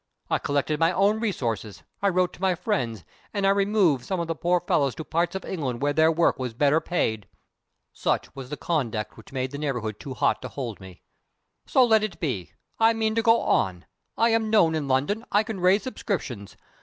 I collected my own resources I wrote to my friends and I removed some of the poor fellows to parts of England where their work was better paid. Such was the conduct which made the neighborhood too hot to hold me. So let it be! I mean to go on. I am known in London; I can raise subscriptions.